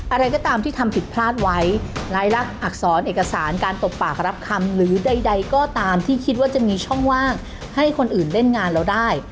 อะไรก็ตามที่ทำผิดพลาดไว้รายลักษรเอกสารการตบปากรับคำหรือใดก็ตามที่คิดว่าจะมีช่องว่างให้คนอื่นเล่นงานเราได้